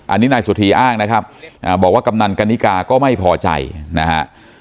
อันนี้นายสุธีอ้างนะครับบอกว่ากำนันกันนิกาก็ไม่พอใจนะฮะ